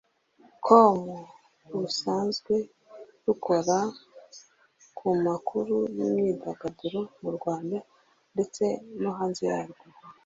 com rusanzwe rukora ku makuru y’imyidagaduro mu Rwanda ndetse no hanze yarwo